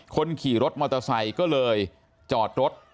คนขี่รถมอเตอร์ไซค์ก็เลยจอดรถ